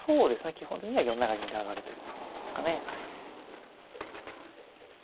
基本的には４七銀で上がるということなんですかね。